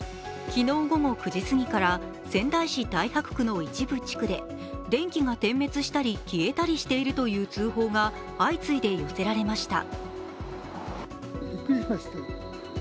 昨日午後９時すぎから、仙台市太白区の一部地区で電気が点滅したり消えたりしているという通報が相次いで寄せられました。